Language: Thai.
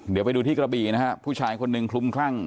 เดี๋ยวไปดูที่กระบี่นะฮะผู้ชายคนหนึ่งคลุมคลั่ง